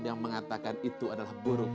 yang mengatakan itu adalah buruk